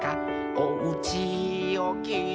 「おうちをきいても」